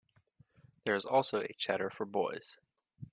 There is also a cheder for boys.